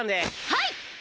はい！